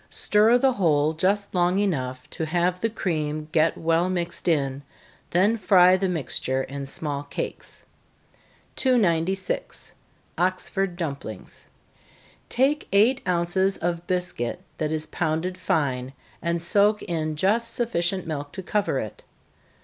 Stir the whole just long enough to have the cream get well mixed in, then fry the mixture in small cakes. 296. Oxford Dumplings. Take eight ounces of biscuit that is pounded fine, and soak it in just sufficient milk to cover it.